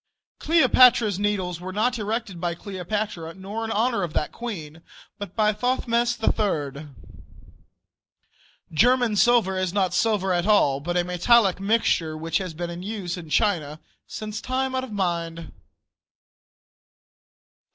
Cleopatra's Needles were not erected by Cleopatra, nor in honor of that queen, but by Thothmes III. German silver is not silver at all, but a metallic mixture which has been in use in China time out of mind.